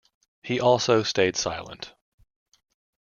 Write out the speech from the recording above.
He also stayed silent.